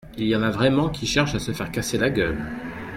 Il y en a vraiment qui cherchent à se faire casser la gueule.